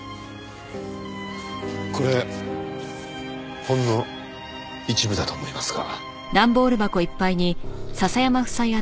これほんの一部だと思いますが。